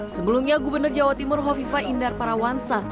sebelumnya gubernur jawa timur hovifa indar parawansa